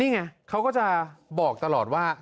นี่ไงเขาก็จะบอกตลอดว่า